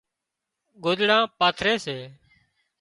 ڳوۮڙان پاٿري سي